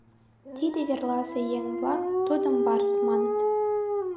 Тиде верласе еҥ-влак тудым барс маныт.